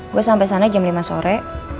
gue sampai sana jam lima sore